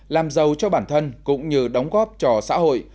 làm giàu cho bản thân cũng như đóng góp cho xã hội